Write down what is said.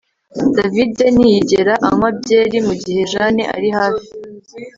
David ntiyigera anywa byeri mugihe Jane ari hafi